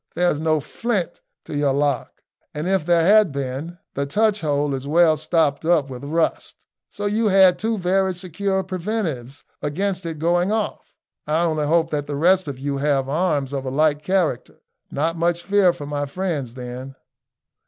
"There's no flint to your lock, and if there had been, the touch hole is well stopped up with rust, so you had two very secure preventives against its going off. I only hope that the rest of you have arms of a like character. Not much fear for my friends then."